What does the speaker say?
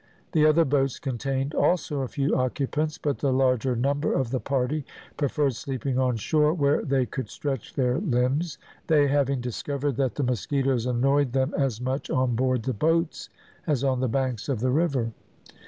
The other boats contained also a few occupants, but the larger number of the party preferred sleeping on shore, where they could stretch their limbs, they having discovered that the mosquitoes annoyed them as much on board the boats as on the banks of the river.